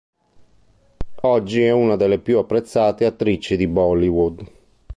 Oggi è una delle più apprezzate attrici di Bollywood.